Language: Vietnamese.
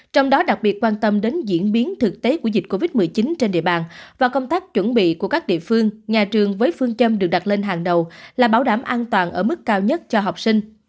trong đó đặc biệt quan tâm đến diễn biến thực tế của dịch covid một mươi chín trên địa bàn và công tác chuẩn bị của các địa phương nhà trường với phương châm được đặt lên hàng đầu là bảo đảm an toàn ở mức cao nhất cho học sinh